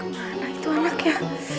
kemana itu anaknya